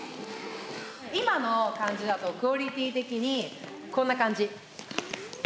今の感じだとクオリティーてきにこんな感じ。